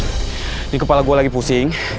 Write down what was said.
ini kepala gue lagi pusing